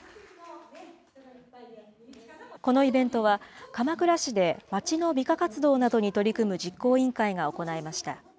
このイベントは、鎌倉市でまちの美化活動などに取り組む実行委員会が行いました。